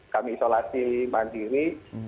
kami isolasi mandiri